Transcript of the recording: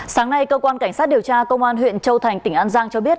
sáng nay công an cảnh sát điều tra công an huyện châu thành tỉnh an giang cho biết